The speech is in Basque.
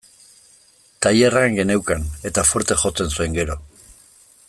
Tailerrean geneukan, eta fuerte jotzen zuen, gero.